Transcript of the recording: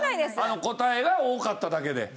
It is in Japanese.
答えが多かっただけで。